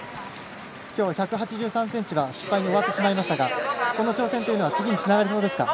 きょうは１８３ｃｍは失敗に終わってしまいましたがこの挑戦は次につながりそうですか？